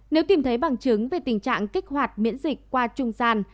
nếu tìm thấy bằng chứng về tình trạng kích hoạt miễn dịch qua trung gian